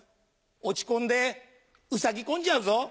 落ち込んでウサギ込んじゃうぞ。